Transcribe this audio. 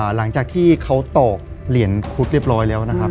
หลังจากที่เขาตอกเหรียญคุดเรียบร้อยแล้วนะครับ